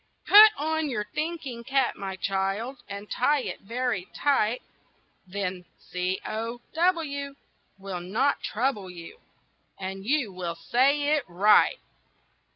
"Put on your thinking cap, my child, And tie it very tight; Then C O W will not trouble you, And you will say it right."